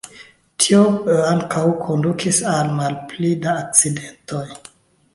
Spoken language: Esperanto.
Tio ankaŭ kondukis al malpli da akcidentoj.